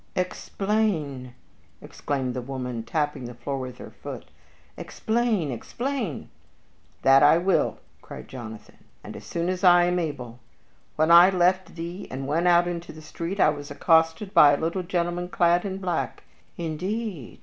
"Explain!" exclaimed the lady, tapping the floor with her foot. "Explain! explain! explain!" "That I will," cried Jonathan, "and as soon as I am able! When I left thee and went out into the street I was accosted by a little gentleman clad in black." "Indeed!"